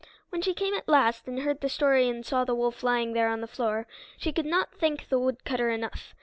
When she came at last, and heard the story and saw the wolf lying there on the floor, she could not thank the woodcutter enough.